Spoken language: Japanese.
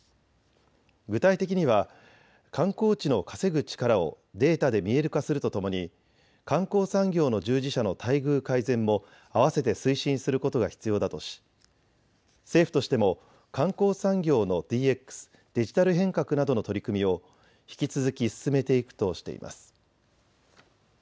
具体的には観光地の稼ぐ力をデータで見える化するとともに観光産業の従事者の待遇改善もあわせて推進することが必要だとし政府としても観光産業のＤＸ・デジタル変革などの取り組みを引き続き進めていくとしています。